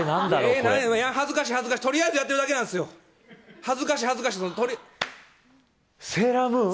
これ恥ずかしい恥ずかしいとりあえずやってるだけなんですよ恥ずかしい恥ずかしいセーラームーン？